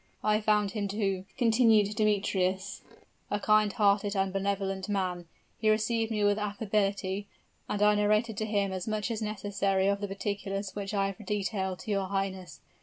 "I found him, too," continued Demetrius, "a kind hearted and benevolent man. He received me with affability; and I narrated to him as much as necessary of the particulars which I have detailed to your highness.